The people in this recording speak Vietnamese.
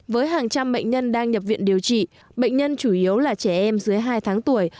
với hàng trăm bệnh nhân đang nhập viện điều trị bệnh nhân chủ yếu là trẻ em dưới hai tháng tuổi